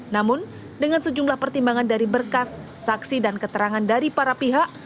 namun dengan sejumlah pertimbangan dari berkas saksi dan keterangan dari para pihak